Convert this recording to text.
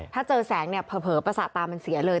ถ้าเจอแสงเนี่ยเผลอประสาทตามันเสียเลย